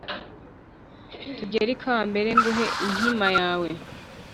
tugere ikambere nguhe inkima yawe,